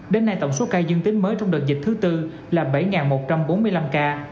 đến nay tổng số ca dương tính mới trong đợt dịch thứ tư là bảy một trăm bốn mươi năm ca